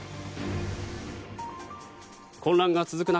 混乱が続く中